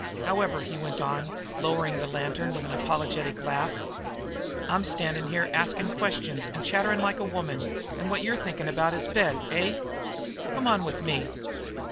"However," he went on, lowering the lantern with an apologetic laugh, "I'm standin' here askin' questions and chatterin' like a woman, and what you're thinkin' of is bed, eh? Come on with me."